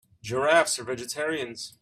Giraffes are vegetarians.